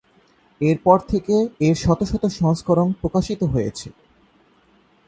এরপর থেকে এর শত শত সংস্করণ প্রকাশিত হয়েছে।